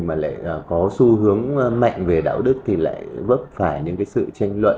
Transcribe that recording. mà lại có xu hướng mạnh về đạo đức thì lại vấp phải những cái sự tranh luận